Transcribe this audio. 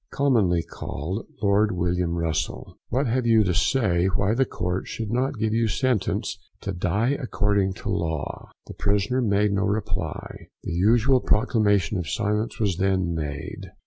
commonly called Lord William Russell; what have you to say why the court should not give you sentence to die according to law? The prisoner made no reply. The usual proclamation for silence was then made.